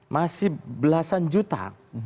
masih belasan juta